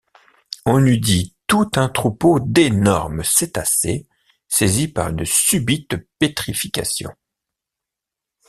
On eût dit tout un troupeau d’énormes cétacés, saisis par une subite pétrification.